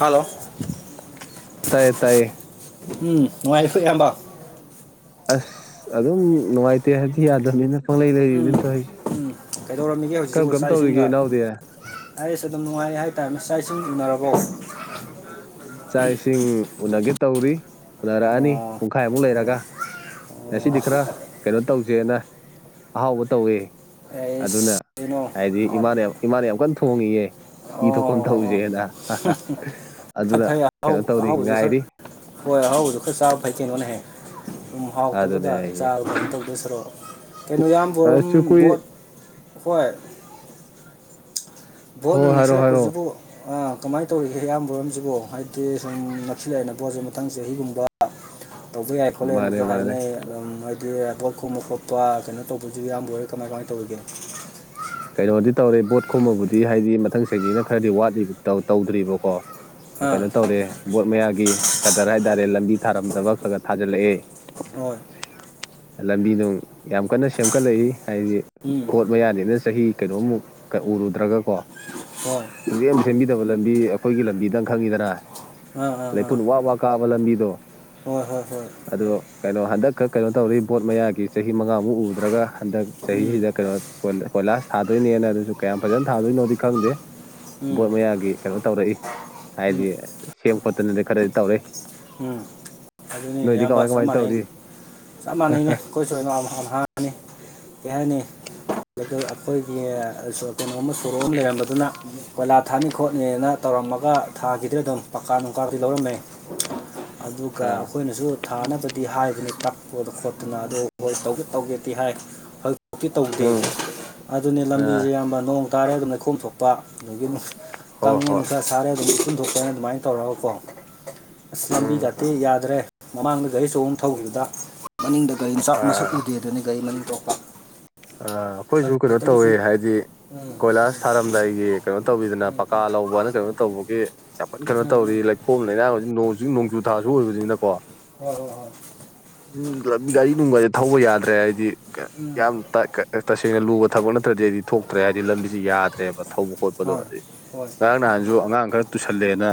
Hello ꯇꯌꯦ ꯇꯌꯦ ꯎꯝ ꯅꯨꯡꯉꯥꯏ ꯐ ꯏꯌꯥꯝꯕ ꯑꯁ ꯑꯗꯨꯝ ꯅꯨꯡꯉꯥꯏꯇꯦ ꯍꯥꯏꯗꯤ ꯌꯥꯗꯕꯅꯤꯅ ꯄꯪꯂꯩ ꯂꯩꯔꯤ ꯎꯝ ꯑꯗꯨꯝ ꯇꯧꯔꯤꯁꯦ ꯀꯩꯗꯧꯔꯝꯃꯤꯒꯦ ꯀꯔꯝ ꯍꯧꯖꯤꯛꯁꯤꯕꯨ ꯀꯔꯝ ꯆꯥꯛ ꯇꯧꯔꯤꯒꯦ ꯏꯁꯤꯡꯒ ꯏꯅꯥꯎꯗꯤ ꯑꯩꯁ ꯑꯗꯨꯝ ꯅꯨꯡꯉꯥꯏꯔꯦ ꯍꯥꯏꯇꯥꯔꯦ ꯃꯥꯛ ꯏꯁꯤꯡ ꯎꯅꯔꯕꯣ ꯆꯥꯛ ꯏꯁꯤꯡ ꯎꯅꯒꯦ ꯇꯧꯔꯤ ꯎꯅꯔꯛꯑꯅꯤ ꯑꯣ ꯄꯨꯡꯈꯥꯏꯃꯨꯛ ꯂꯩꯔꯒ ꯉꯁꯤꯗꯤ ꯈꯔ ꯀꯩꯅꯣ ꯇꯧꯁꯦꯅ ꯑꯍꯥꯎꯕ ꯇꯧꯋꯦ ꯑꯩ ꯑꯗꯨꯅ ꯍꯥꯏꯗꯤ ꯏꯃꯥꯅ ꯏꯃꯥꯅ ꯌꯥꯝ ꯀꯟꯅ ꯊꯣꯡꯉꯌꯦꯦ ꯏ ꯑꯣ ꯊꯣꯛꯐꯝ ꯑꯣ ꯑꯣ ꯇꯧꯁꯦꯅ ꯐꯩ ꯑꯗꯨꯅ ꯐꯩ ꯑꯍꯥꯎ ꯀꯩꯅꯣ ꯇꯧꯔꯤ ꯑꯍꯥꯎꯕꯁꯨ ꯈꯔ ꯉꯥꯏꯔꯤ ꯍꯣꯏ ꯑꯍꯥꯎꯕꯁꯨ ꯈꯔ ꯆꯥꯕ ꯐꯩ ꯀꯦꯉꯣꯅ ꯍꯦꯛ ꯑꯗꯨꯝ ꯑꯗꯨꯅꯦ ꯍꯥꯎꯇꯕꯗ ꯍꯥꯏꯁꯦ ꯆꯥꯕ ꯑꯗꯨ ꯇꯧꯗꯁꯔꯛꯑꯣ ꯀꯩꯅꯣ ꯑꯁꯨ ꯌꯥꯝꯕꯣꯔꯝ ꯀꯨꯏ ꯕꯣꯠ ꯍꯣꯏ ꯚꯣꯠ ꯍꯣꯏ ꯅꯨꯡ ꯍꯥꯏꯔꯣ ꯍꯥꯏꯔꯣ ꯃꯁꯤꯜꯂꯛꯄꯁꯤꯕꯨ ꯀꯃꯥꯏꯅ ꯇꯧꯔꯤꯒꯦ ꯑꯌꯥꯝꯕꯝꯁꯤꯕꯨꯣ ꯍꯥꯏꯗꯤ ꯁꯨꯝ ꯅꯛꯁꯤꯜꯂꯛꯑꯦꯅ ꯄꯣꯠꯁꯦ ꯃꯊꯪ ꯆꯍꯤꯒꯨꯝꯕ ꯇꯧꯕ ꯌꯥꯏ ꯈꯣꯠꯂꯦ ꯃꯥꯅꯦ ꯑꯗꯨꯁꯨ ꯃꯥꯅꯦ ꯍꯥꯏꯅꯩ ꯑꯗꯨꯝ ꯍꯥꯏꯗꯤ ꯔꯥꯏꯕꯣꯠ ꯈꯨꯝꯕ ꯈꯣꯠꯄ ꯀꯩꯅꯣ ꯇꯧꯕꯁꯨ ꯏꯌꯥꯝꯕ ꯑꯣꯏꯔꯦ ꯀꯃꯥꯏ ꯀꯃꯥꯏꯅ ꯇꯧꯔꯤꯒꯦ ꯀꯩꯅꯣꯗꯤ ꯇꯧꯔꯦ ꯕꯣꯠ ꯈꯨꯝꯃꯕꯨꯗꯤ ꯍꯥꯏꯗꯤ ꯃꯊꯪ ꯆꯍꯤꯅꯤꯅ ꯈꯔꯗꯤ ꯋꯥꯠꯂꯤ ꯇꯧꯗ꯭ꯔꯤꯕꯀꯣ ꯀꯩꯅꯣ ꯑꯥ ꯇꯧꯔꯦ ꯕꯣꯠ ꯃꯌꯥꯒꯤ ꯀꯇꯔ ꯍꯥꯏ ꯇꯔꯦ ꯂꯝꯕꯤ ꯊꯥꯔꯝꯗꯕ ꯈꯔ ꯈꯔ ꯊꯥꯖꯤꯜꯂꯛꯑꯦ ꯍꯣꯏ ꯂꯝꯕꯤ ꯅꯨꯡ ꯌꯥꯝ ꯀꯟꯅ ꯁꯦꯝꯒꯠꯂꯛꯏ ꯍꯥꯏꯗꯤ ꯎꯝ ꯄꯣꯠ ꯃꯌꯥꯅꯤꯅ ꯆꯍꯤ ꯀꯩꯅꯣꯃꯨꯛ ꯎꯔꯨꯗ꯭ꯔꯒ ꯀꯣ ꯍꯣꯏ ꯍꯧꯖꯤꯛ ꯑꯃ ꯁꯦꯝꯕꯤꯗꯕ ꯂꯝꯕꯤ ꯑꯩꯈꯣꯏꯒꯤ ꯂꯝꯕꯤꯗꯪ ꯈꯪꯉꯤꯗꯅ ꯑꯥ ꯑꯥ ꯑꯥ ꯂꯩꯐꯨꯠ ꯋꯥ ꯋꯥ ꯀꯥꯕ ꯂꯝꯕꯤꯗꯣ ꯍꯣꯏ ꯍꯣꯏ ꯑꯗꯣ ꯀꯩꯅꯣ ꯍꯟꯗꯛꯀ ꯀꯩꯅꯣ ꯇꯧꯔꯤ ꯕꯣꯠ ꯃꯌꯥꯒꯤ ꯆꯍꯤ ꯃꯉꯥꯃꯨꯛ ꯎꯗ꯭ꯔꯒ ꯍꯟꯗꯛ ꯎꯝ ꯆꯍꯤꯁꯤꯗ ꯀꯩꯅꯣ ꯀꯣꯏꯂꯥꯁ ꯊꯥꯗꯣꯏꯅꯦꯅ ꯑꯗꯨꯁꯨ ꯀꯌꯥꯝ ꯐꯖꯅ ꯊꯥꯗꯣꯏꯅꯣꯗꯤ ꯈꯪꯗꯦ ꯎꯝ ꯕꯣꯠ ꯃꯌꯥꯒꯤ ꯀꯩꯅꯣ ꯇꯧꯔꯛꯏ ꯎꯝ ꯍꯥꯏꯗꯤ ꯁꯦꯝ ꯈꯣꯠꯇꯅꯗꯤ ꯈꯔꯗꯤ ꯇꯧꯔꯛꯏ ꯎꯝ ꯀꯃꯥꯏ ꯑꯌꯥꯝꯕ ꯆꯞ ꯀꯃꯥꯏꯅ ꯃꯥꯟꯅꯩꯅꯤ ꯇꯧꯔꯤ ꯆꯞ ꯃꯥꯟꯅꯩꯅꯦ ꯑꯩꯈꯣꯏꯁꯨ ꯍ ꯍꯥꯡꯉꯅꯤ ꯌꯥꯅꯦ ꯑꯩꯈꯣꯏꯒꯤ ꯀꯩꯅꯣꯝꯃ ꯁꯣꯔꯣꯛ ꯑꯃ ꯂꯩꯔꯝꯕꯗꯨꯅ ꯀꯣꯏꯂꯥ ꯊꯥꯅꯤ ꯈꯣꯠꯅꯤꯅ ꯇꯧꯔꯝꯃꯒ ꯊꯥꯒꯤꯗ ꯑꯗꯨꯝ ꯄꯀꯥ ꯅꯨꯡꯀꯥꯗꯤ ꯂꯧꯔꯝꯃꯦ ꯑꯗꯨꯒ ꯑꯥ ꯑꯩꯈꯣꯏꯅꯁꯨ ꯊꯥꯅꯕꯗꯤ ꯍꯥꯏꯕꯅꯤ ꯇꯛꯄꯗ ꯈꯣꯠꯇꯅ ꯑꯗꯨꯗ ꯍꯣꯏ ꯇꯧꯒꯦ ꯇꯧꯒꯦꯗꯤ ꯍꯥꯏ ꯍꯣꯏ ꯛꯇꯤ ꯇꯧꯗꯦ ꯎꯝ ꯑꯗꯨꯅꯤ ꯑꯥ ꯂꯝꯕꯤꯁꯦ ꯌꯥꯝꯌꯥꯝꯕ ꯅꯣꯡ ꯇꯥꯔꯦ ꯑꯗꯨꯝ ꯂꯩꯈꯣꯝ ꯊꯣꯛꯄ ꯑꯗꯨꯗꯒꯤ ꯍꯣꯏ ꯇꯪꯉꯦꯅ ꯍꯣꯏ ꯎꯆ ꯁꯔꯦꯗ ꯄꯨꯨꯟꯗꯣꯛꯄꯅ ꯑꯗꯨꯃꯥꯏꯅ ꯇꯧꯔꯒꯀꯣ ꯑꯁ ꯂꯝꯕꯤ ꯎꯝ ꯈꯇꯦ ꯌꯥꯗ꯭ꯔꯦ ꯃꯃꯥꯡꯗ ꯒꯥꯔꯤ ꯆꯍꯣꯡ ꯊꯧꯈꯤꯕꯗ ꯃꯅꯤꯡꯗ ꯒꯥꯔꯤꯥꯛ ꯃꯁꯛ ꯑ ꯎꯗꯦ ꯑꯗꯨꯅ ꯒꯥꯔꯤ ꯃꯔꯤ ꯇꯄ ꯑ ꯑꯩꯈꯣꯏꯁꯨ ꯀꯩꯅꯣ ꯇꯧꯋꯦ ꯍꯥꯏꯗꯤ ꯎꯝ ꯀꯣꯏꯂꯥꯁ ꯊꯥꯔꯝꯗꯥ ꯑꯩꯒꯤ ꯀꯩꯅꯣ ꯇꯧꯕꯤꯗꯅ ꯄꯀꯥ ꯂꯧꯕꯅ ꯀꯩꯅꯣ ꯇꯧꯕꯒꯤ ꯌꯥꯝꯐꯠ ꯀꯩꯅꯣ ꯎꯝ ꯇꯧꯔꯤ ꯎꯝ ꯈꯣꯝ ꯂꯩꯔꯥꯡꯕꯁꯤ ꯅꯣꯡꯛ ꯅꯣꯡꯖꯨ ꯊꯥꯁꯨ ꯑꯣꯏꯕꯅꯤꯅꯀꯣ ꯍꯣꯏ ꯍꯣꯏ ꯍꯣꯏ ꯎꯝ ꯒꯥꯔꯤ ꯅꯨꯡꯒꯥꯁꯦ ꯊꯧꯕ ꯌꯥꯗ꯭ꯔꯦ ꯍꯥꯏꯗꯤ ꯎꯝ ꯌꯥꯝ ꯇꯁꯦꯡꯅ ꯂꯨꯕ ꯊꯛꯄ ꯅꯠꯇ꯭ꯔꯗꯤ ꯑꯩꯗꯤ ꯊꯣꯛꯇ꯭ꯔꯦ ꯍꯥꯏꯗꯤ ꯂꯝꯕꯤꯁꯤ ꯌꯥꯗ꯭ꯔꯦꯕ ꯊꯧꯕ ꯈꯣꯠꯄꯗꯣ ꯍꯣꯏ ꯍꯥꯏꯗꯤ ꯍꯣꯏ ꯉꯔꯥꯡ ꯅꯍꯥꯟꯁꯨ ꯑꯉꯥꯡ ꯈꯔ ꯇꯨꯁꯜꯂꯦꯅ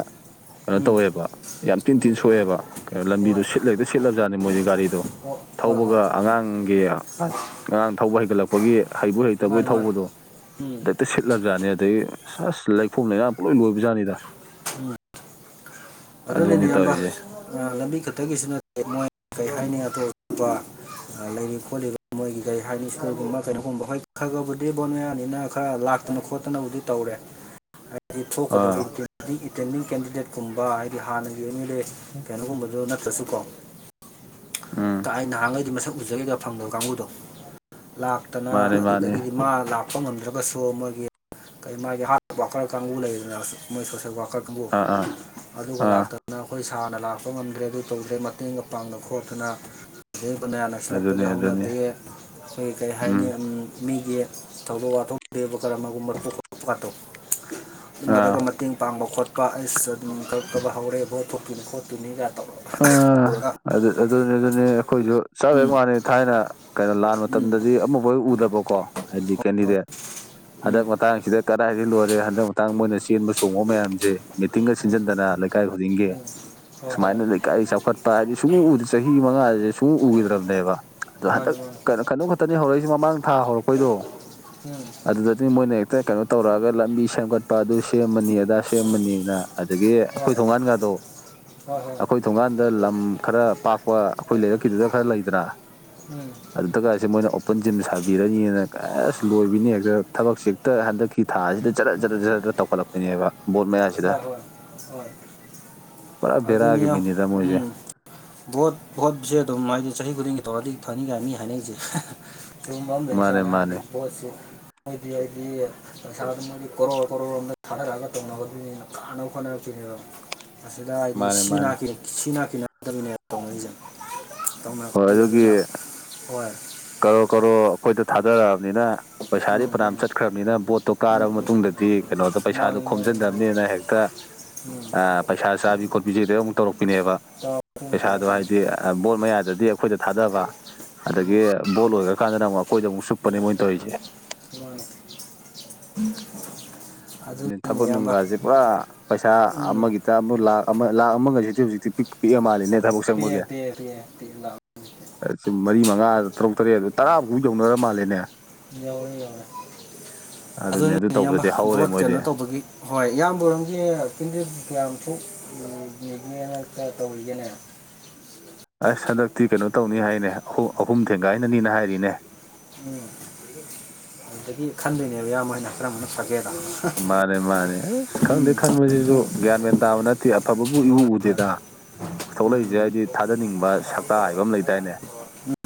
ꯀꯩꯅꯣ ꯎꯝ ꯍꯣꯏ ꯍꯣꯏ ꯎꯝ ꯇꯧꯋꯦꯕ ꯌꯥꯝ ꯇꯤꯟ ꯇꯤꯟ ꯎꯝ ꯁꯣꯛꯑꯦꯕ ꯀꯩꯅꯣ ꯍꯣꯏ ꯂꯝꯕꯤꯗꯣ ꯁꯤꯠꯂꯦꯛꯇ ꯁꯤꯠꯂꯕꯖꯥꯠꯅꯤ ꯃꯣꯏꯗꯤ ꯒꯥꯔꯤꯗꯣ ꯍꯣꯏ ꯍꯣꯏ ꯍꯣꯏ ꯊꯧꯕꯒ ꯑꯉꯥꯡꯒꯤ ꯑꯉꯥꯡ ꯊꯧꯕ ꯍꯩꯒꯠꯂꯛꯄꯒꯤ ꯍꯩꯕꯨ ꯍꯩꯇꯕꯒꯤ ꯃꯥꯅꯤ ꯃꯥꯅꯤ ꯊꯧꯕꯗꯣ ꯎꯝ ꯍꯦꯛꯇ ꯁꯤꯠꯂꯕꯖꯥꯠꯅꯦ ꯑꯗꯒꯤ ꯑꯁ ꯂꯩꯐꯝꯣꯝ ꯂꯩꯅꯥ ꯄꯨꯂꯣꯏ ꯂꯣꯏꯕꯖꯠꯅꯤꯗ ꯎꯝ ꯑꯗꯨꯅꯦꯅꯦ ꯑꯗꯨꯅꯤ ꯑꯝꯕ ꯇꯧꯔꯤꯁꯦ ꯂꯝꯕꯤ ꯈ ꯑ ꯗꯒꯤꯁꯨ ꯅꯠꯇꯦ ꯃꯣꯏ ꯀꯔꯤ ꯍꯥꯏꯅꯤꯉ ꯑꯇꯣꯞ ꯑꯇꯞꯄ ꯂꯩ ꯈꯣꯠꯂꯤ ꯃꯣꯏꯒꯤ ꯀꯩ ꯍꯥꯏꯅꯤ ꯁ꯭ꯀꯨꯜꯒꯨꯝꯕ ꯀꯩꯅꯣꯒꯨꯝꯕ ꯍꯣꯏ ꯈꯔꯒꯕꯨꯗꯤ ꯕꯣ ꯃꯌꯥꯅꯤꯅ ꯈꯔ ꯂꯥꯛ ꯐꯠꯇꯅ ꯈꯣꯠꯇꯅꯕꯨꯗꯤ ꯇꯧꯔꯦ ꯍꯥꯏꯗꯤ ꯊꯣꯛꯀꯗ ꯑꯥ ꯏꯇꯦꯟꯗꯤꯡ ꯀꯦꯟꯗꯤꯗꯦꯠꯀꯨꯝꯕ ꯍꯥꯏꯗꯤ ꯍꯥꯟꯅꯒꯤ ꯀꯩꯅꯣꯒꯨꯝꯕꯗꯣ ꯅꯠꯇ꯭ꯔꯁꯨꯀꯣ ꯑ ꯑꯩ ꯅꯍꯥꯟꯈꯩꯗꯤ ꯃꯁꯛ ꯎꯖꯦꯗ ꯐꯪꯗꯕ ꯀꯥꯡꯕꯨꯗꯣ ꯂꯥꯛꯇꯅ ꯃꯥꯅꯦ ꯃꯥꯅꯦ ꯑꯗꯨꯗꯒꯤꯗꯤ ꯃꯥ ꯂꯥꯛ ꯍꯥꯞꯄ ꯉꯝꯗ꯭ꯔꯒꯁꯨ ꯃꯣꯏꯒꯤ ꯀꯔꯤ ꯃꯥꯒꯤ ꯍꯥꯔꯠ ꯋꯥꯀꯔ ꯀꯥꯡꯕꯨ ꯂꯩꯗꯅ ꯃꯣꯏ ꯁꯣꯁꯦꯜ ꯋꯥꯀꯔ ꯑꯗꯨ ꯑꯥ ꯑꯥ ꯑꯗꯨꯒ ꯑꯥ ꯂꯥꯛꯇꯗꯅ ꯑꯩꯈꯣꯏ ꯁꯥꯔꯅ ꯂꯥꯛꯄ ꯉꯝꯗ꯭ꯔꯦ ꯑꯗꯨ ꯇꯧꯗ꯭ꯔꯦ ꯃꯇꯦꯡꯒ ꯄꯥꯡꯗꯅ ꯈꯣꯠꯇꯅ ꯑꯗꯒꯤ ꯚꯣꯠ ꯃꯌꯥ ꯑꯗꯨꯅꯤ ꯅꯛꯁꯤꯜꯂꯛꯄꯒꯤ ꯑꯗꯨꯅꯤ ꯍꯧꯅꯕꯤ ꯑꯈꯣꯏ ꯀꯔꯤ ꯍꯥꯏꯅꯤ ꯎꯝ ꯃꯤꯒꯤ ꯊꯧꯗꯣꯛ ꯋꯥꯊꯣꯛ ꯗꯦꯕ ꯀꯔꯃꯒꯨꯝꯕ ꯈꯠꯇꯣꯛ ꯀꯥꯗꯣ ꯑꯥ ꯑꯗꯨꯝꯕꯗꯒ ꯃꯇꯦꯡ ꯄꯥꯡꯕ ꯈꯣꯠꯄ ꯑꯩꯁ ꯑꯗꯨꯝ ꯇꯧ ꯑꯕ ꯍꯧꯔꯦ ꯕꯣꯠ ꯊꯣꯛꯇꯣꯏꯅꯤ ꯈꯣꯠꯇꯣꯏꯅꯤꯒ ꯇꯧꯔꯒ ꯑꯥ ꯇꯧꯔꯒ ꯑꯗꯨ ꯑꯗꯨꯅꯤ ꯑꯗꯨꯅꯤ ꯑꯩꯈꯣꯏꯁꯨ ꯆꯞꯋꯦ ꯎꯝ ꯃꯥꯟꯂꯩ ꯊꯥꯏꯅ ꯀꯩꯅꯣ ꯂꯥꯟ ꯎꯝ ꯃꯇꯝꯗꯗꯤ ꯑꯃꯕꯨꯣꯏ ꯎꯗꯕꯀꯣ ꯍꯥꯏꯗꯤ ꯀꯦꯟꯗꯤꯗꯦꯠ ꯎꯝ ꯍꯟꯗꯛ ꯃꯇꯥꯡꯁꯤꯗ ꯀꯗꯥꯏꯗꯒꯤ ꯂꯣꯏꯔꯦ ꯍꯟꯗꯛ ꯃꯇꯥꯡ ꯃꯣꯏꯅ ꯆꯦꯟꯕ ꯆꯣꯡꯕ ꯃꯌꯥꯝꯁꯦ ꯃꯤꯇꯤꯡꯒ ꯎꯝ ꯁꯤꯟꯖꯟꯗꯅ ꯂꯩꯀꯥꯏ ꯈꯨꯗꯤꯡꯒꯤ ꯎꯝ ꯍꯣꯏ ꯍꯣꯏ ꯁꯨꯃꯥꯏꯅ ꯂꯩꯀꯥꯏ ꯆꯥꯎꯈꯠꯄ ꯍꯥꯏꯗꯤ ꯁꯨꯡꯎꯗ ꯆꯍꯤ ꯃꯉꯥ ꯁꯨꯡꯎꯈꯤꯗ꯭ꯔꯕꯅꯦꯕ ꯑꯗꯣ ꯃꯥꯅꯤ ꯃꯥꯅꯤ ꯍꯟꯗꯛꯩꯅꯣ ꯀꯩꯅꯣ ꯈꯛꯇꯅꯤ ꯍꯧꯔꯛꯏꯁꯤ ꯃꯃꯥꯡ ꯊꯥ ꯍꯧꯔꯛꯄꯩꯗꯣ ꯎꯝ ꯑꯗꯨꯗꯗꯤ ꯃꯣꯏꯅ ꯍꯦꯛꯇ ꯀꯩꯅꯣ ꯇꯧꯔꯛꯑꯒ ꯂꯝꯕꯤ ꯁꯦꯝꯒꯠꯄ ꯑꯗꯨ ꯁꯦꯝꯃꯅꯤ ꯑꯗꯥ ꯁꯦꯝꯃꯅꯤꯅ ꯑꯗꯒꯤ ꯍꯣꯏ ꯑꯈꯣꯏ ꯊꯣꯡꯒꯥꯟꯀꯗꯣ ꯍꯣꯏ ꯍꯣꯏ ꯑꯈꯣꯏ ꯊꯣꯡꯒꯥꯟꯗ ꯂꯝ ꯈꯔ ꯄꯥꯛꯄ ꯑꯈꯣꯏꯒꯤ ꯂꯩꯔꯛꯀꯤꯗꯨꯗ ꯈꯔ ꯂꯩꯗꯅ ꯎꯝ ꯑꯗꯨꯗ ꯀꯥꯏꯁꯦ ꯃꯣꯏꯅ ꯑꯣꯄꯟ ꯖꯤꯝ ꯁꯥꯕꯤꯔꯅꯤꯅ ꯀꯩꯁ ꯂꯣꯏꯕꯤꯅꯤ ꯍꯦꯛꯇ ꯊꯕꯛꯁꯦ ꯍꯦꯛꯇ ꯍꯟꯗꯛꯀꯤ ꯊꯥꯁꯤꯗ ꯖꯔ ꯖꯔ ꯖꯔ ꯇꯧꯈꯠꯂꯛꯄꯤꯅꯦꯕ ꯕꯣꯠ ꯃꯌꯥꯁꯤꯗ ꯍꯣꯏ ꯍꯣꯏ ꯍꯣꯏ ꯄꯨꯔꯥ ꯑꯗꯨꯅꯤ ꯕꯦꯔꯥꯒꯤ ꯃꯤꯅꯤꯗ ꯃꯣꯏꯁꯦ ꯎꯝ ꯚꯣꯠ ꯚꯣꯠꯁꯦ ꯑꯗꯨꯝ ꯍꯥꯏꯗꯤ ꯆꯍꯤ ꯈꯨꯗꯤꯡꯒꯤ ꯇꯧꯔꯗꯤ ꯐꯅꯤ ꯀꯥꯏꯅꯤ ꯃꯤ ꯍꯥꯏꯅꯩꯁꯦ ꯁꯤꯒꯨꯝꯕ ꯑꯃ ꯃꯥꯅꯦ ꯂꯩꯖꯅꯤ ꯍꯥꯏꯗꯤ ꯃꯥꯅꯦ ꯚꯣꯠꯁꯤ ꯍꯥꯏꯗꯤ ꯍꯥꯏꯗꯤ ꯄꯩꯁꯥꯁꯦ ꯃꯣꯢꯗꯤ ꯀꯔꯣꯔ ꯀꯔꯣꯔ ꯔꯣꯝꯗ ꯊꯥꯗꯔꯒ ꯇꯧꯅꯕꯅꯤꯅ ꯀꯥꯅꯕ ꯍꯣꯠꯅꯔꯛꯇꯣꯢꯅꯦꯕ ꯃꯁꯤꯗ ꯑ ꯃꯥꯅꯦ ꯁꯤ ꯃꯥꯅꯦ ꯅꯥ ꯀꯤ ꯁꯤ ꯅꯥ ꯀꯤꯅꯔꯛꯇꯕꯤꯅꯦ ꯇꯧꯅꯛꯏꯁꯦ ꯇꯧꯅꯔꯛꯇꯣꯢꯁꯦ ꯑꯗꯨꯅ ꯍꯣꯏ ꯀꯔꯣꯔ ꯀꯔꯣꯔ ꯑꯈꯣꯏꯗ ꯊꯥꯗꯔꯛꯑꯕꯅꯤꯅ ꯄꯩꯁꯥꯗꯤ ꯎꯝ ꯐꯅꯝ ꯎꯝ ꯆꯠꯈ꯭ꯔꯕꯅꯤꯅ ꯕꯣꯠꯇꯣ ꯎꯝ ꯎꯝ ꯀꯥꯔꯕ ꯃꯇꯨꯡꯗꯗꯤ ꯎꯝ ꯀꯩꯅꯣꯗꯣ ꯄꯩꯁꯥꯗꯣ ꯃꯥꯅꯤ ꯃꯥꯅꯤ ꯃꯥꯅꯤ ꯈꯣꯝꯖꯤꯟꯗꯕꯅꯤꯅ ꯍꯦꯛꯇ ꯎꯝ ꯄꯩꯁꯥ ꯆꯥꯕꯤ ꯈꯣꯠꯄꯤꯁꯤꯗ ꯑꯃꯨꯛ ꯇꯧꯔꯛꯄꯤꯅꯦꯕ ꯇꯧꯔꯛꯇꯣꯏꯅꯤ ꯄꯩꯁꯥꯗꯣ ꯇꯧꯔꯛꯇꯣꯏꯅꯤ ꯍꯥꯏꯗꯤ ꯃꯥꯅꯤ ꯕꯣꯠ ꯃꯌꯥꯗꯗꯤ ꯑꯈꯣꯏꯗ ꯊꯥꯗꯕ ꯑꯗꯒꯤ ꯕꯣꯠ ꯂꯣꯏꯈ꯭ꯔꯀꯥꯟꯗꯅ ꯑꯃꯨꯛ ꯑꯈꯣꯏꯗ ꯑꯃꯨꯛ ꯁꯨꯞꯄꯅꯦ ꯃꯣꯏ ꯇꯧꯔꯤꯁꯦ ꯃꯥꯅꯤ ꯑꯗꯨꯅꯦ ꯊꯕꯛ ꯅꯨꯡꯒꯥꯁꯦ ꯄꯨꯔꯥ ꯄꯩꯁꯥ ꯎꯝ ꯑꯃꯒꯤꯇ ꯑꯃꯨꯛ ꯂꯥꯛ ꯂꯥꯈ ꯑꯃꯒꯁꯤꯗꯤ ꯍꯧꯖꯤꯛꯇꯤ ꯄꯤꯛꯑꯃꯥꯜꯂꯦꯅꯦ ꯊꯕꯛ ꯄꯤꯔꯦ ꯆꯪꯕꯒꯤ ꯄꯤꯔꯦ ꯄꯤꯔꯦ ꯄꯤꯔꯦ ꯂꯥꯛꯑꯣ ꯁꯨꯝ ꯃꯔꯤ ꯃꯉꯥ ꯇꯔꯨꯛ ꯇꯔꯦꯠ ꯑꯗꯨ ꯇꯔꯥꯐꯥꯎ ꯌꯧꯅꯔ ꯃꯥꯜꯂꯦꯅꯦ ꯌꯧꯔꯦ ꯌꯧꯔꯦ ꯑꯗꯨꯅꯦ ꯑꯗꯨ ꯑꯗꯨꯅꯤꯅꯦ ꯢꯌꯥꯝꯕ ꯇꯧꯕꯗꯗꯤ ꯍꯧꯔꯦ ꯕꯣꯠ ꯃꯣꯏꯗꯤ ꯀꯩꯅꯣ ꯇꯧꯕꯒꯤ ꯍꯣꯏ ꯏꯌꯥꯝꯕ ꯍꯣꯢꯔꯣꯝꯒꯤ ꯀꯦꯟꯗꯤꯗꯦꯠ ꯀꯌꯥꯝ ꯊꯣꯛꯒꯦꯅ ꯇꯧꯔꯤꯒꯦꯅꯦ ꯑꯁ ꯍꯟꯗꯛꯇꯤ ꯀꯩꯅꯣ ꯇꯧꯅꯤ ꯍꯥꯏꯅꯦ ꯑꯍꯨꯝ ꯊꯦꯡꯒꯥꯏꯅꯅꯤꯅ ꯍꯥꯏꯔꯤꯅꯦ ꯎꯝ ꯑꯗꯨꯗꯒꯤ ꯈꯟꯗꯣꯏꯅꯦꯕ ꯏꯌꯥꯝꯕ ꯍꯣꯏꯅ ꯀꯔꯝꯕꯅ ꯐꯒꯦꯗꯣ ꯃꯥꯅꯦ ꯃꯥꯅꯦ ꯑꯁ ꯈꯪꯗꯦ ꯑꯗꯣ ꯈꯟꯕꯁꯤꯁꯨ ꯒ꯭ꯌꯥꯟ ꯃꯌꯥꯟ ꯇꯥꯕ ꯅꯠꯇꯦ ꯑꯐꯕꯕꯨ ꯏꯎ ꯍꯣꯏ ꯍꯣꯏ ꯎꯗꯦꯗ ꯊꯣꯛꯂꯛꯏꯁꯦ ꯎꯝ ꯍꯥꯏꯗꯤ ꯊꯥꯗꯅꯤꯡꯕ ꯁꯛꯇ ꯍꯥꯏꯕ ꯑꯃ ꯂꯩꯗꯥꯏꯅꯦ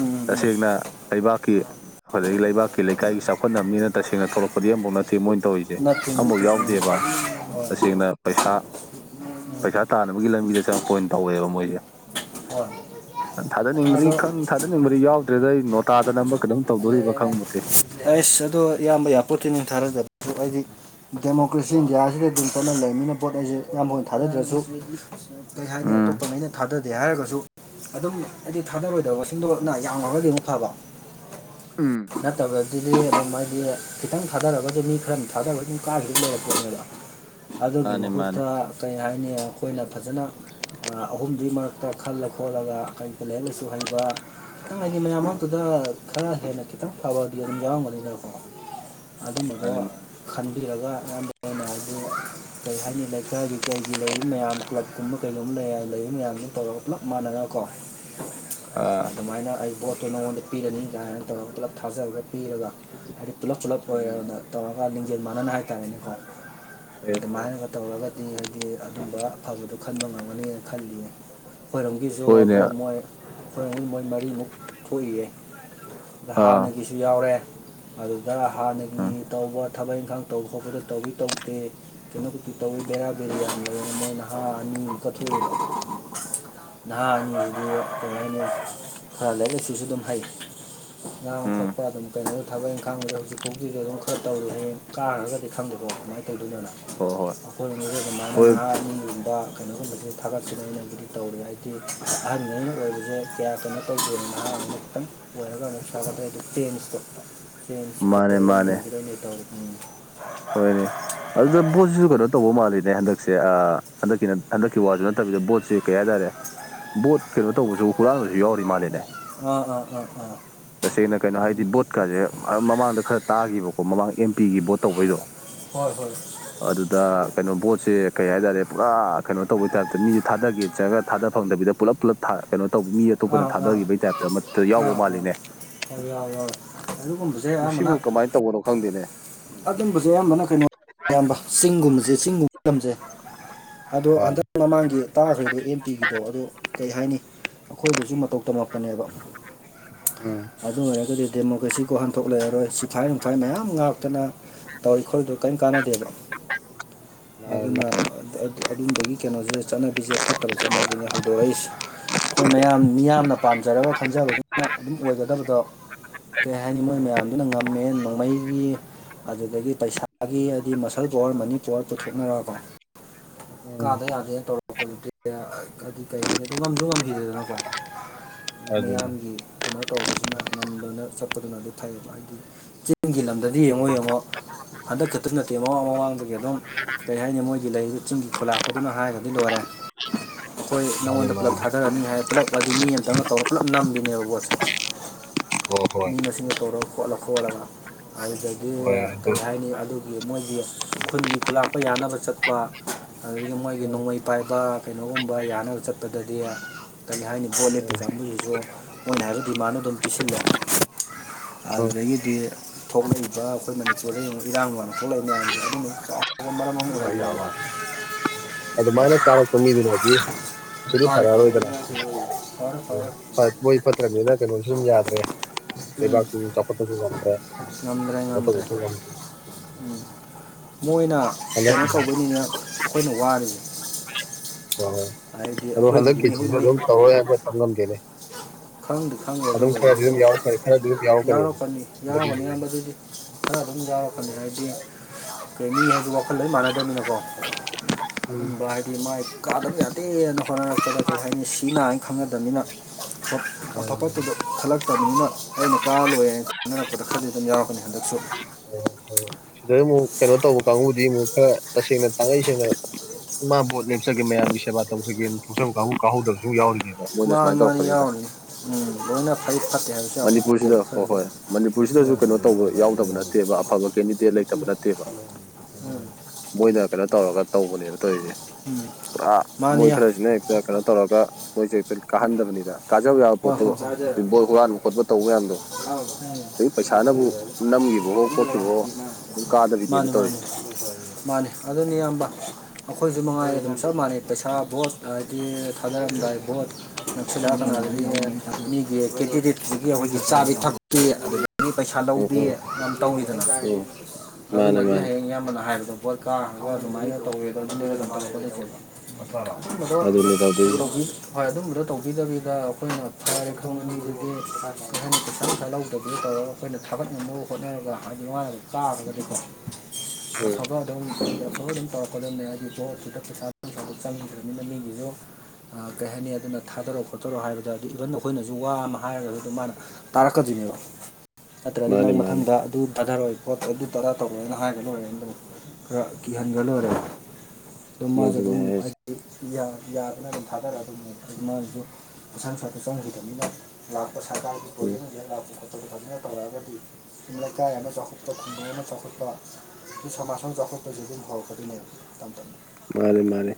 ꯎꯝ ꯎꯝ ꯇꯁꯦꯡꯅ ꯂꯩꯕꯥꯛꯀꯤ ꯑꯗꯒꯤ ꯂꯩꯕꯥꯛꯀꯤ ꯂꯩꯀꯥꯏꯒꯤ ꯆꯥꯎꯈꯠꯅꯕꯅꯤꯅ ꯇꯁꯦꯡꯅ ꯊꯣꯛꯂꯛꯄꯗꯤ ꯑ ꯑꯃꯐꯥꯎ ꯅꯠꯇꯦ ꯃꯣꯏꯅ ꯇꯧꯔꯤꯁꯦ ꯅꯠꯇꯦ ꯑꯃꯐꯥꯎ ꯅꯠꯇꯦ ꯎꯝ ꯌꯥꯎꯗꯦꯕ ꯍꯣꯏ ꯇꯁꯦꯡꯅ ꯄꯩꯁꯥ ꯄꯩꯁꯥ ꯇꯥꯅꯕꯒꯤ ꯂꯝꯕꯤꯗ ꯆꯪꯉꯛꯄ ꯑꯣꯏꯅ ꯇꯧꯋꯦꯕ ꯃꯣꯏꯁꯦ ꯍꯣꯏ ꯊꯥꯗꯅꯤꯡꯕꯗꯤ ꯑꯗꯣ ꯈꯪ ꯊꯥꯗꯅꯤꯡꯕꯗꯤ ꯌꯥꯎꯗ꯭ꯔꯦꯗ ꯑꯩ ꯅꯣꯇꯥꯗ ꯅꯝꯕ ꯀꯩꯅꯣꯝ ꯇꯧꯗꯣꯔꯤꯕ ꯈꯪꯕꯗꯤꯦ ꯑꯁ ꯑꯗꯣ ꯏꯌꯥꯝꯕ ꯏ ꯄꯣꯠꯠꯇꯤ ꯅꯤꯡꯊꯥꯔꯗꯕ ꯑꯩꯗꯤ ꯗꯦꯃꯣꯀ꯭ꯔꯦꯁꯤ ꯏꯟꯗꯤꯌꯥꯁꯤꯗ ꯑꯗꯨꯝ ꯆꯠꯅ ꯂꯩꯕꯅꯤꯅ ꯄꯣꯠ ꯑꯩꯁ ꯌꯥꯝꯌꯥꯝꯕꯅ ꯊꯥꯗꯗ꯭ꯔꯁꯨ ꯀꯩ ꯍꯥꯏꯅꯤ ꯎꯝ ꯑꯇꯣꯞꯄꯅ ꯑꯩꯅ ꯊꯥꯗ ꯑꯗꯨ ꯍꯥꯏꯔꯒꯁꯨ ꯑꯗꯨꯝ ꯍꯥꯏꯗꯤ ꯊꯥꯗꯔꯣꯏꯗꯕꯁꯤꯡꯗꯣꯅ ꯌꯥꯝꯃꯒꯗꯤ ꯑꯃꯨꯛ ꯐꯕ ꯎꯝ ꯐꯠꯇꯕꯗꯨꯗꯤ ꯑꯗꯨ ꯍꯥꯏꯥꯏꯗꯤ ꯈꯤꯇꯪ ꯊꯥꯗꯒꯗ ꯃꯤ ꯈꯔ ꯊꯥꯗꯕ ꯑꯗꯨꯝ ꯀꯥꯈꯤꯕ ꯂꯩꯔꯛꯄꯣꯠꯅꯦꯕ ꯑꯗꯨꯒꯤ ꯃꯥꯅꯦ ꯃꯥꯅꯦ ꯃꯍꯨꯠꯇ ꯀꯔꯤ ꯍꯥꯏꯅꯤ ꯑꯈꯣꯏꯅ ꯐꯖꯅ ꯑꯍꯨꯝꯗꯨꯒꯤ ꯃꯔꯛꯇ ꯈꯜꯂ ꯈꯣꯠꯂꯒ ꯑꯩꯈꯣꯏ ꯀꯔꯤ ꯀꯔꯤ ꯂꯥꯏꯁꯨ ꯍꯩꯕ ꯈꯤꯇꯪ ꯍꯥꯏꯗꯤ ꯃꯌꯥꯝ ꯃꯔꯛꯇꯨꯗ ꯈꯔ ꯍꯦꯟꯅ ꯈꯤꯇꯪ ꯐꯕꯗꯤ ꯑꯗꯨꯝ ꯌꯥꯎꯔꯝꯒꯅꯤꯅꯀꯣ ꯑꯗꯨꯝꯕꯗꯣ ꯃꯥꯅꯦ ꯃꯥꯅꯦ ꯈꯟꯕꯤꯔꯒ ꯃꯌꯥꯝꯕ ꯍꯣꯢꯅ ꯍꯥꯢꯗꯤ ꯀꯔꯤ ꯍꯥꯏꯅꯤ ꯂꯩꯀꯥꯏꯒꯤ ꯀꯩꯒꯤ ꯂꯩꯔꯤꯕ ꯃꯌꯥꯝ ꯀ꯭ꯂꯕꯀꯨꯝꯕ ꯀꯩꯒꯨꯝꯕ ꯂꯩ ꯂꯩꯕ ꯃꯌꯥꯝꯒ ꯇꯧꯔꯒ ꯄꯨꯂꯞ ꯃꯥꯟꯅꯔꯒ ꯀꯣ ꯑꯥ ꯑꯗꯨꯃꯥꯏꯅ ꯑꯩ ꯚꯣꯠꯇꯣ ꯅꯉꯣꯟꯗ ꯄꯤꯔꯅꯤ ꯀꯥꯏꯅ ꯇꯧꯔꯒ ꯄꯨꯂꯞ꯫ ꯊꯥꯖꯕꯒ ꯄꯤꯔꯒ ꯍꯥꯏꯗꯤ ꯄꯨꯂꯞ ꯄꯨꯂꯞ ꯎꯝ ꯑꯣꯏꯔꯅ꯫ ꯇꯧꯔꯒ ꯂꯤꯡꯖꯦꯜ ꯃꯥꯟꯅꯅ ꯍꯥꯏꯇꯥꯔꯦꯅꯦꯀꯣ ꯐꯩꯌꯦ ꯑꯗꯨꯗ ꯐꯩꯌꯦ ꯃꯥꯟꯅꯒ꯫ ꯇꯧꯔꯒꯗꯤ ꯍꯥꯏꯗꯤ ꯑꯗꯨꯝꯕ ꯑꯐꯕꯗꯨꯣ ꯈꯟꯕ ꯉꯝꯒꯅꯤꯅ ꯈꯜꯂꯤꯌꯦ꯫ ꯒꯤꯁꯨ ꯍꯣꯏꯅꯦ ꯕꯣꯠ ꯃꯣꯏ ꯑꯩꯈꯣꯏ ꯔꯣꯝꯒꯤ ꯃꯣꯏ ꯃꯔꯤꯃꯨꯛ ꯊꯣꯛꯏꯌꯦ꯫ ꯑꯗ ꯑꯥ ꯍꯥꯟꯅꯒꯤꯁꯨ ꯌꯥꯎꯔꯦ ꯑꯗꯨꯗ ꯍꯥꯟꯅꯒꯤ ꯎꯝ ꯇꯧꯕ꯫ ꯊꯕꯛ ꯏꯪꯈꯥꯡ ꯇꯧꯕ ꯈꯣꯠꯄꯗ ꯇꯧꯋꯤ ꯇꯧꯗꯦ꯫ ꯀꯩꯅꯣꯕꯨꯛꯗꯤ ꯇꯧꯌꯦ ꯕꯦꯔꯥ ꯕꯦꯔꯤ ꯌꯥꯝ ꯂꯩꯅ ꯃꯣꯏꯅ ꯍꯥ ꯑꯅꯤ ꯀꯠꯊꯣꯛꯑꯦ꯫ ꯅꯍꯥ ꯑꯅꯤꯒꯤꯗꯨ ꯀꯔꯤ ꯍꯥꯏꯅꯤ ꯈꯔ ꯂꯥꯏꯔꯤꯛ ꯂꯥꯏꯁꯨ ꯑꯗꯨꯝ ꯍꯩ꯫ ꯉꯥꯡꯕ ꯎꯝ ꯁꯛꯄ ꯑꯗꯨꯝ ꯀꯩꯅꯣ꯫ ꯊꯕꯛ ꯏꯪꯈꯥꯡꯗꯨꯗ ꯍꯧꯖꯤꯛꯐꯥꯎꯖꯤꯛꯁ ꯑꯗꯨꯝ ꯈꯔ ꯇꯧꯔꯨꯅꯤ ꯀꯥꯈ꯭ꯔꯒꯗꯤ ꯈꯪꯗꯦꯀꯣ ꯀꯃꯥꯏꯅ ꯇꯧꯗꯣꯏꯅꯅ ꯍꯣꯏ ꯍꯣꯏ ꯑꯩꯈꯣꯏ ꯃꯤꯑꯣꯔꯏ ꯑꯗꯨꯃꯥꯏꯅ ꯍꯣꯏ ꯅꯍꯥ ꯑꯅꯤ ꯌꯨꯝꯕ ꯀꯩꯅꯣꯒꯨꯝꯕꯁꯤꯗ ꯊꯥꯒꯠꯁꯤꯅ ꯑꯩꯅꯕꯨꯗꯤ ꯇꯧꯔꯦ ꯍꯥꯏꯗꯤ ꯑꯍꯟꯉꯩꯅ ꯑꯣꯏꯕꯁꯦ ꯀꯌꯥ ꯀꯩꯅꯣ ꯇꯧꯗꯣꯏꯅ ꯑꯃꯤꯠꯇꯝ ꯑꯣꯏꯔꯒ ꯑꯃ ꯆꯥꯕꯗ ꯇꯅꯤꯁꯠꯇ ꯁ ꯃꯥꯅꯦ ꯇꯥꯂꯒ ꯃꯥꯅꯦ ꯌꯦꯡꯖꯔ ꯅꯇꯥꯎ ꯍꯣꯏꯅꯦ ꯑꯗꯨꯗ ꯕꯣꯠꯁꯤꯁꯨ ꯀꯩꯅꯣ ꯇꯧꯕ ꯃꯥꯜꯂꯤꯅꯦ ꯍꯟꯗꯛꯁꯦ ꯍꯟꯗꯛꯀꯤ ꯍꯟꯗꯛꯀꯤ ꯋꯥꯁꯨ ꯅꯠꯇꯕꯤꯗ ꯕꯣꯠꯁꯤꯦ ꯀꯩ ꯍꯥꯏꯇꯥꯔꯦ ꯕꯣꯠ ꯀꯩꯅꯣ ꯇꯧꯕꯁꯨ ꯍꯨꯔꯥꯟꯕꯁꯨ ꯌꯥꯎꯔꯤ ꯃꯥꯜꯂꯦꯅꯦ ꯑ ꯑꯥ ꯑꯥ ꯑꯥ ꯀꯥꯁꯦ ꯃꯃꯥꯡꯗ ꯈꯔ ꯇꯥꯈꯤꯕꯀꯣ ꯃꯃꯥꯡꯗ ꯑꯦꯝ ꯄꯤꯒꯤ ꯚꯣꯠ ꯇꯧꯕꯩꯗꯣ ꯍꯣꯏ ꯍꯣꯏ꯫ ꯑꯗꯨꯗ ꯀꯩꯅꯣ ꯄꯕꯣꯠꯁꯦ ꯀꯩ ꯍꯥꯏꯇꯥꯔꯦ ꯄꯨꯔꯥ ꯀꯩꯅꯣ ꯇꯧꯕꯩ ꯇꯥꯏꯞꯇ ꯃꯤꯁꯨ ꯊꯥꯗꯒꯦ ꯆꯠꯂꯒ ꯊꯥꯗ ꯐꯪꯗꯕꯤꯗ꯫ ꯄꯨꯂꯞ ꯄꯨꯂꯞ ꯊꯥ ꯀꯩꯅꯣ ꯇꯧꯕ ꯃꯤ ꯑꯥ ꯑꯇꯣꯞꯄꯅ ꯑꯥ ꯊꯥꯗꯈꯤꯕꯒꯤ ꯇꯥꯏꯞꯇ ꯑꯃ ꯇ ꯌꯥꯎꯕ ꯃꯥꯜꯂꯤꯅꯦ꯫ ꯄꯪ ꯌꯥꯎ ꯌꯥꯎ ꯑꯗꯨꯒꯨꯝꯕꯁꯦ ꯑꯥ ꯁꯤꯕꯨ ꯀꯃꯥꯏꯟ ꯇꯧꯕꯅꯣ ꯈꯪꯗꯦꯅꯦ꯫ ꯎꯝ ꯑꯗꯨꯝꯕꯁꯦ ꯑꯌꯥꯝꯕꯅ ꯀꯩꯅꯣ ꯏꯌꯥꯝꯕ ꯆꯤꯡꯒꯨꯝꯕꯁꯦ ꯆꯤꯡꯒꯨꯝꯕ ꯂꯝꯁꯦ꯫ ꯑꯗꯣ ꯑ ꯍꯟꯗꯛ ꯃꯃꯥꯡꯒꯤ ꯇꯥꯈ꯭ꯔꯤꯗꯣ ꯑꯦꯝ ꯄꯤꯒꯤꯗꯣ ꯑꯗꯨ ꯀꯩ ꯍꯥꯏꯅꯤ꯫ ꯑꯈꯣꯏꯗꯁꯨ ꯃꯇꯧ ꯇꯝꯃꯛꯄꯅꯦꯕ꯫ ꯎꯝ꯫ ꯑꯗꯨ ꯑꯣꯏꯔꯒꯗꯤ ꯗꯦꯃꯣꯀ꯭ꯔꯦꯁꯤ ꯋꯥꯍꯟꯊꯣꯛ ꯂꯩꯔꯔꯣꯏ ꯁꯤꯐꯥꯏ ꯅꯨꯡꯐꯥꯏ ꯃꯌꯥꯝ ꯉꯥꯛ ꯅ ꯇꯧꯔꯤ ꯈꯣꯠꯇꯤꯗꯣ ꯀꯔꯤꯝ ꯀꯥꯟꯅꯗꯦꯕ ꯃꯥꯅꯦ ꯑꯗꯨꯅ꯫ ꯃꯥꯅꯦ ꯑꯗꯨꯝꯗꯒꯤ ꯀꯩꯅꯣꯁꯦ ꯆꯠꯅꯕꯤꯁꯦ ꯐꯠꯇꯕ ꯆꯠꯅꯕꯤꯅꯦ ꯍꯧꯗꯣꯔꯛꯏꯁꯦ꯫ ꯑꯩꯈꯣꯏ ꯃꯌꯥꯝ ꯃꯤꯌꯥꯝꯅ ꯄꯥꯝꯖꯔꯒ ꯈꯟꯖꯕꯗꯨꯅ ꯑꯗꯨꯝ ꯑꯣꯏꯒꯗꯕꯗꯣ꯫ ꯀꯩ ꯍꯥꯏꯅꯤ ꯃꯣꯏ ꯎꯝ ꯃꯌꯥꯝꯗꯨꯅ ꯉꯝꯃꯦ ꯅꯣꯡꯃꯩꯒꯤ꯫ ꯑꯗꯨꯗꯒꯤ ꯄꯩꯁꯥꯒꯤ ꯍꯥꯏꯗꯤ ꯃꯁꯜ ꯄꯋꯥꯔ ꯃꯅꯤ ꯄꯋꯥꯔ ꯄꯨꯊꯣꯛꯅꯔꯒꯀꯣ꯫ ꯎꯝ ꯀꯥꯗ ꯌꯥꯗꯦ ꯇꯧꯔ꯫ ꯄꯂꯤꯇꯤꯛꯁꯦ ꯑꯥ ꯀꯩ ꯍꯥꯏꯅꯤ ꯑꯗꯨ ꯉꯝꯁꯨ ꯉꯝꯈꯤꯗꯦꯗꯅꯀꯣ꯫ ꯑꯗꯨꯅꯦ ꯃꯌꯥꯝꯒꯤ꯫ ꯀꯩꯅꯣ ꯇꯧꯕꯁꯤꯅ ꯉꯝꯕꯅ ꯆꯠꯄꯗꯨꯅ ꯑꯗꯨ ꯐꯩꯌꯦꯕ ꯍꯥꯏꯗꯤ ꯆꯤꯡꯒꯤ ꯂꯝꯗ꯫ ꯑꯗꯨ ꯍꯣꯏ ꯌꯦꯡꯉꯣ ꯌꯦꯡꯉꯣ ꯍꯟꯗꯛ ꯈꯛꯇ ꯅꯠꯇꯦ ꯃꯃꯥꯡ ꯃꯃꯥꯡꯗꯒꯤ ꯑꯗꯨꯝ꯫ ꯀꯔꯤ ꯍꯥꯏꯅꯤ ꯃꯣꯏꯒꯤ ꯂꯩꯔꯤꯕ ꯆꯤꯡꯒꯤ ꯈꯨꯂꯥꯛꯄꯗꯨꯅ ꯍꯥꯏꯔꯒꯗꯤ ꯂꯣꯏꯔꯦ꯫ ꯑꯩꯈꯣꯏ ꯃꯥꯅꯦ ꯅꯪꯉꯣꯟꯗ ꯄꯨꯂꯞ ꯃꯥꯅꯦ ꯊꯥꯗꯔꯅꯤ ꯍꯥꯏ ꯄꯨꯂꯞ꯫ ꯃꯥꯗꯤ ꯃꯤ ꯑꯃꯇꯪꯒ ꯇꯧꯔꯒ ꯄꯨꯜꯂꯞ ꯅꯝꯈꯤꯅꯦꯕ ꯕꯣꯠꯁꯦ ꯍꯣꯏ ꯍꯣꯏ ꯃꯤ ꯃꯁꯤꯡꯒ ꯇꯧꯔ꯫ ꯈꯣꯠꯂ ꯈꯣꯠꯂꯒ ꯑꯗꯨꯗꯒꯤ ꯍꯣꯏ ꯑꯗꯨ ꯀꯔꯤ ꯍꯥꯏꯅꯤ ꯑꯗꯨ꯫ ꯃꯣꯏꯒꯤ ꯈꯨꯟꯒꯤ ꯈꯨꯂꯥꯛꯄ ꯌꯥꯅꯕ ꯆꯠꯄ꯫ ꯑꯗꯒꯤ ꯃꯣꯏꯒꯤ ꯎꯝ ꯅꯣꯡꯃꯩ ꯄꯥꯏꯕ ꯀꯩꯅꯣꯒꯨꯝꯕ ꯌꯥꯅꯕ ꯆꯠꯄꯗꯗꯤ꯫ ꯀꯔꯤ ꯍꯥꯏꯅꯤ ꯕꯣꯠ ꯂꯦꯞꯄꯤ ꯀꯥꯡꯕꯨꯁꯤꯁꯨ ꯃꯣꯏꯅ ꯍꯥꯏꯕ ꯗꯤꯃꯥꯟꯗꯨ ꯑꯗꯨꯝ ꯄꯤꯁꯤꯜꯂꯦ꯫ ꯑꯗꯨꯗꯩꯩꯒꯤꯗꯤ꯫ ꯊꯣꯛꯂꯛꯏꯕ ꯑꯩꯈꯣꯏ ꯃꯅꯤꯄꯨꯔꯗ ꯌꯦꯡꯉꯨ ꯏꯔꯥꯡ ꯅꯨꯡꯂꯥꯡ ꯊꯣꯛꯂꯛꯏꯕ ꯃꯌꯥꯝꯁꯦ ꯑꯗꯨꯝꯕꯩ꯫ [inaudible] ꯑꯗꯨꯝ ꯃꯥꯏꯅ ꯀꯥꯔꯛꯄ ꯃꯤꯑꯗꯨꯅꯗꯤ [unintelligible] ꯐꯔꯛ ꯑꯣꯏꯗꯅ꯫ ꯎꯝ ꯐꯔꯦ ꯐꯔꯦ꯫ ꯃꯣꯏ ꯐꯠꯇ꯭ꯔꯝꯅꯤꯅ ꯀꯩꯅꯣ ꯁꯨꯝ ꯌꯥꯗ꯭ꯔꯦ ꯎꯝ ꯂꯩꯕꯥꯛꯁꯤꯁꯨ ꯆꯥꯎꯈꯠꯄꯁꯨ ꯉꯝꯗ꯭ꯔꯦ꯫ [inaudible] ꯉꯝꯗ꯭ꯔꯦ ꯉꯝꯗ꯭ꯔꯦ ꯎꯝ ꯃꯣꯏꯅ ꯍꯟꯗꯛ ꯀꯩꯅꯣ ꯇꯧꯕꯩꯅꯤꯅ ꯑꯩꯈꯣꯏꯅ ꯋꯥꯔꯤꯁꯦ꯫ ꯍꯥꯏꯗꯤ ꯑꯩꯈꯣꯏꯒꯤꯗꯤ ꯃꯤꯍꯨꯟꯅꯤ [unintelligible] ꯈꯪꯗꯤ ꯈꯪꯕ ꯑꯗꯨ ꯑꯗꯨꯝ ꯈꯔꯗꯤ ꯑꯗꯨꯝ ꯂꯩꯕꯗꯣ ꯌꯥꯎꯔꯛꯀꯅꯤ ꯈꯔꯗꯤ ꯑꯗꯨꯝ [unintelligible] ꯌꯥꯎꯔꯛꯀꯅꯦꯕ ꯌꯥꯎꯔꯛꯀꯅꯤ ꯍꯟꯗꯛꯀꯤ ꯌꯥꯎꯔꯛꯒꯅꯤ ꯑꯌꯥꯝꯕ ꯎꯝ ꯑꯗꯨꯗꯤ ꯈꯔ ꯑꯗꯨꯝ ꯌꯥꯎꯔꯛꯀꯅꯤ ꯍꯥꯏꯗꯤ ꯀꯩꯅꯤ ꯍꯥꯏꯕ ꯋꯥꯈꯜ ꯂ [unintelligible] ꯃꯥꯟꯅꯗꯕꯅꯤꯅꯀꯣ ꯑꯗꯨꯝꯕ ꯍꯥꯏꯗꯤ ꯃꯥꯏ ꯀꯥꯗꯕ ꯌꯥꯗꯦꯅ ꯍꯣꯠꯅꯔꯛꯄꯗ ꯀꯩ ꯍꯥꯏꯅꯤ ꯁꯤ ꯅꯥ ꯍꯥꯏꯅ ꯈꯪꯅꯗꯕꯅꯤꯅ ꯑꯐ ꯃꯥꯅꯤ ꯃꯥꯅꯤ ꯐꯠꯇꯗꯤ ꯈꯟꯂꯛ ꯐꯠꯇꯕꯅꯤꯅ ꯑꯩꯅ ꯀꯥꯔ ꯂꯣꯏꯔꯦꯅ ꯈꯅꯔꯛꯄꯗ ꯈꯔꯗꯤ ꯑꯗꯨꯝ ꯌꯥꯎꯔꯛꯄꯅꯤ ꯍꯟꯗꯛꯁꯨ꯫ ꯑꯗꯩꯩ ꯑꯃꯨꯛ ꯀꯩꯅꯣ ꯇꯧꯕ ꯀꯥꯡꯕꯨꯗꯤ ꯑꯃꯨꯛ ꯈꯔ ꯇꯁꯦꯡꯅ ꯇꯥꯡꯉꯩ ꯁꯦꯡꯅ꯫ ꯃꯥ ꯕꯣꯠ ꯂꯦꯞꯆꯥꯒꯦ ꯃꯌꯥꯝꯕꯤ ꯁꯦꯕꯥ ꯇꯧꯉꯦꯅ ꯊꯣꯛꯆꯥꯕ ꯀꯥꯡꯕꯨ ꯀꯥꯍꯧꯗꯕꯁꯨ ꯑꯃꯨꯛ ꯌꯥꯎꯔꯤꯅꯦ꯫ ꯃꯥꯅꯤ ꯃꯥꯅꯤ ꯌꯥꯎꯔꯅꯤ ꯎꯝ ꯂꯣꯏꯅ ꯐꯩ ꯐꯠꯇꯦ ꯍꯥꯏꯕꯁꯨ ꯌꯥꯄꯣꯟꯇꯦꯕ꯫ ꯑ ꯍꯣꯏ ꯃꯅꯤꯄꯨꯔꯁꯤꯗꯁꯨ ꯀꯩꯅꯣ ꯇꯧꯕ ꯌꯥꯎ [unintelligible] ꯃꯣꯏꯗ ꯀꯩꯅꯣ ꯇꯧꯔꯒ ꯇꯧꯕꯅꯦꯕ ꯇꯧꯔꯤꯁꯦ ꯎꯝ ꯄꯨꯔꯥ ꯃꯥꯅꯤ ꯃꯣꯏ ꯈꯔꯁꯤꯅ ꯅ ꯇꯧꯔꯒ ꯃꯣꯏ ꯆ ꯀꯥꯍꯟꯗꯕꯅꯤꯗ ꯀꯥꯖꯕ ꯌꯥꯕ ꯍꯣꯏ ꯄꯣꯠꯇꯣ ꯕꯣꯜ ꯍꯨꯔꯥꯟꯕ ꯈꯣꯠꯄ ꯇꯧꯕ ꯃꯌꯥꯝꯗꯣ ꯑꯥꯎ ꯑꯗꯒꯤ ꯄꯩꯁꯥꯅꯕꯨ ꯅꯝꯈꯤꯕꯋꯣ ꯈꯣꯠꯈꯤꯕꯋꯣ ꯑꯗꯨꯝ [unintelligible] ꯀꯥꯗꯕꯤꯅꯦꯕ ꯃꯥꯅꯦ ꯃꯥꯅꯦ ꯇꯧꯔꯤꯁꯦ ꯃꯥꯅꯦ ꯑꯗꯨꯅꯤ ꯑꯌꯥꯝꯕ ꯑꯩꯈꯣꯏꯁꯨ ꯃꯉꯥꯏ ꯑꯗꯨꯝ ꯆꯞ ꯃꯥꯟꯅꯩ ꯄꯩꯁꯥ ꯚꯣꯠ ꯍꯥꯏꯗꯤ ꯊꯥꯗꯔꯝꯗꯥꯏ ꯕꯣꯠ [unintelligible] ꯃꯤꯒꯤ ꯀꯦꯟꯗꯤꯗꯦꯠꯇꯒꯤ ꯑꯩꯈꯣꯏꯒꯤ ꯆꯥꯕꯤ ꯊꯛ ꯄꯩꯁꯥ ꯎꯝ ꯂꯧꯗꯦ ꯎꯝ ꯌꯥꯝ ꯇꯧꯔꯤꯗꯅ ꯎꯝ ꯃꯥꯅꯤ ꯑꯗꯨꯅꯗꯤ ꯃꯥꯅꯤ ꯍꯌꯦꯡ ꯏꯌꯥꯝꯕꯅ ꯍꯥꯏꯔꯗꯕ ꯄꯣꯠ ꯀꯥꯔꯒ ꯑꯗꯨꯃꯥꯏꯅ ꯇꯧꯋꯦꯗ ꯑꯗꯨꯅꯤ ꯇꯧꯗꯣꯏꯁꯦ [unintelligible] [unintelligible] ꯑꯗꯨ ꯇꯧꯕꯤꯗꯕꯤꯗ ꯑꯩꯈꯣꯏꯅ ꯐꯔꯈꯪ [unintelligible] ꯑꯩꯈꯣꯏꯅ ꯊꯥꯒꯠꯅꯅꯕ ꯍꯣꯠꯅꯔꯒ ꯍꯥꯏꯗꯤ ꯃꯥꯅ [unintelligible] ꯎꯝ ꯑꯐꯕ ꯑꯗꯨ ꯑꯁ ꯑꯗꯨꯝ ꯇꯧꯔꯛꯀꯗꯕꯅꯦ ꯍꯥꯏꯗꯤ ꯕꯣꯠ [unintelligible] ꯆꯪꯈꯤꯗ꯭ꯔꯕꯅꯤꯅ ꯃꯤꯒꯤꯁꯨ ꯑꯥ ꯀꯩꯍꯅꯤ ꯑꯗꯨꯅ ꯊꯥꯗꯔꯛꯣ ꯈꯣꯠꯇꯔꯣ ꯍꯥꯏꯕꯗ ꯑꯗꯨ ꯏꯚꯟ ꯑꯩꯈꯣꯏꯅꯁꯨ ꯋꯥ ꯑꯃ ꯍꯥꯏꯔꯒ [unintelligible] ꯃꯥꯅ ꯇꯥꯔꯛꯀꯗꯣꯏꯅꯦꯕ ꯅꯠꯇ꯭ꯔꯗꯤ ꯃꯥꯅꯤ ꯅꯪ ꯃꯥꯅꯤ ꯃꯊꯪꯗ ꯑꯗꯨ ꯊꯥꯊꯔꯣꯏꯒ ꯄꯣꯠ ꯑꯗꯨ ꯇꯔꯥ ꯇꯧꯔꯣꯏꯦꯅ ꯍꯥꯏꯒ ꯂꯣꯏꯔꯦꯅ ꯑꯗꯨ ꯈꯔ ꯀꯤꯍꯟꯒ ꯂꯣꯏꯔꯦ ꯑꯗꯨꯝ ꯃꯥꯁꯨ ꯃꯗꯨꯅꯤ ꯑꯗꯨꯝ ꯍꯥꯏ ꯍꯥꯏꯁꯦ ꯌꯥꯗꯅ ꯑꯗꯨꯝ ꯊꯥꯗꯔꯗꯧꯅꯦꯕꯥ [unintelligible] ꯐꯖ ꯎꯝ ꯐꯖꯅ ꯇꯧꯔꯛꯑꯒꯗꯤ ꯁꯨꯝ ꯂꯩꯀꯥꯏ ꯑꯃ ꯆꯥꯎꯈꯠꯄ ꯈꯨꯡꯒꯪ ꯑꯃ ꯆꯥꯎꯈꯠꯄ ꯁꯃꯥꯖ ꯑꯝ ꯆꯥꯎꯈꯠꯄꯁꯤꯗꯤ ꯍꯧꯔꯛꯀ‌ꯗꯧꯅꯤꯕ ꯇꯝ ꯇꯝ ꯃꯥꯅꯦ ꯃꯥꯅꯦ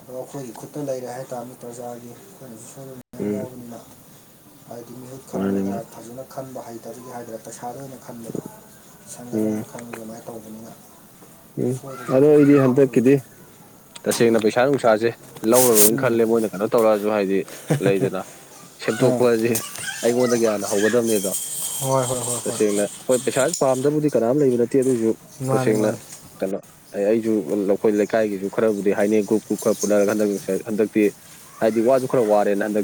ꯑꯗꯣ ꯑꯩꯈꯣꯏꯒꯤ ꯈꯨꯠꯇ ꯂꯩꯔꯦ ꯍꯥꯏꯇꯥꯥꯔꯅꯤ ꯄ꯭ꯔꯖꯥꯒꯤ ꯑꯩꯈꯣꯏꯅꯁꯨ ꯁꯣꯏ ꯎꯝ ꯌꯥꯎꯕꯅꯤꯅ ꯍꯥꯏꯗꯤ ꯃꯤꯍꯨꯠ ꯃꯥꯅꯤ ꯈꯟꯕꯗ ꯃꯥꯅꯤ ꯐꯖꯅ ꯈꯟꯕ ꯍꯩꯇꯕꯒꯤꯅꯤ ꯍꯥꯏꯒꯗ꯭ꯔꯥ ꯄꯩꯁꯥ ꯂꯣꯏꯅ ꯈꯟꯂꯤ ꯁꯪꯒ ꯎꯝ ꯑꯗꯨꯃꯥꯏꯅ ꯇꯧꯕꯅꯤꯅ ꯎꯝ ꯁꯣꯏꯕꯁꯨ ꯑꯗꯣ ꯑꯩꯈꯣꯏꯁꯨ ꯑꯩꯗꯤ ꯑꯗꯨꯝ ꯌꯥꯎꯖꯩ ꯍꯟꯗꯛꯀꯤꯗꯤ ꯎꯝ ꯇꯁꯦꯡꯅ ꯄꯩꯁꯥ ꯅꯨꯡꯁꯥꯁꯦ ꯂꯧꯔꯔꯣꯏꯅ ꯎꯝ ꯈꯜꯂꯦ ꯃꯣꯏꯅ ꯀꯩꯅꯣ ꯇꯧꯔꯛꯑꯁꯨ ꯍꯥꯏꯗꯤ ꯂꯩꯗꯅ ꯑꯥ ꯁꯦꯝꯗꯣꯛꯄꯁꯦ ꯑꯩꯉꯣꯟꯗꯤ ꯍꯥꯟꯅ ꯍꯧꯒꯗꯕꯅꯦꯗꯣ ꯍꯣꯏ ꯍꯣꯏ ꯍꯣꯏ ꯍꯣꯏ ꯇꯁꯦꯡꯅ ꯍꯣꯏ ꯄꯩꯁꯥ ꯄꯥꯝꯗꯕꯨꯗꯤ ꯀꯅꯥꯝ ꯂꯩꯕ ꯅꯠꯇꯦ ꯑꯗꯨꯑꯣꯏꯁꯨ ꯃꯥꯅꯤ ꯇꯁꯦꯡꯅ ꯃꯥꯅꯤ ꯀꯩꯅꯣ ꯑꯩ ꯑꯩꯁꯨ ꯑꯩꯈꯣꯏ ꯂꯩꯀꯥꯏꯒꯤꯁꯨ ꯈꯔꯕꯨꯗꯤ ꯍꯥꯏꯅꯩ ꯒ꯭ꯔꯨꯞ ꯒ꯭ꯔꯨꯞ ꯈꯔ ꯄꯨꯅꯔꯒ ꯍꯟꯗꯛ ꯍꯟꯗꯛꯇꯤ ꯍꯥꯏꯗꯤ ꯋꯥꯁꯨ ꯈꯔ ꯋꯥꯔꯦꯅ ꯍꯟꯗꯛ